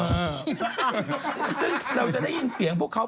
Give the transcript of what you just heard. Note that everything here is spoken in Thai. ซึ่งเราจะได้ยินเสียงพวกเขา